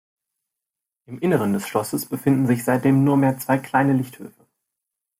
Im Inneren des Schlosses befinden sich seitdem nur mehr zwei kleine Lichthöfe.